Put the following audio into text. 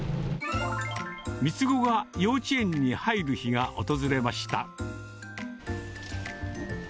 三つ子が幼稚園に入る日が訪れました。